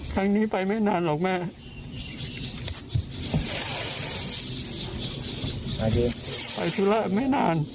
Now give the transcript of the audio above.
ครั้งนี้ไปไม่นานหรอกแม่